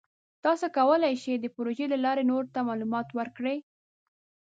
تاسو کولی شئ د پروژې له لارې نورو ته معلومات ورکړئ.